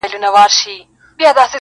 چي ورځ کي يو ساعت ور نه شمه جدي سي وايي